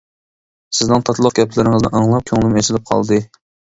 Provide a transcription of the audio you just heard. سىزنىڭ تاتلىق گەپلىرىڭىزنى ئاڭلاپ كۆڭلۈم ئېچىلىپ قالدى.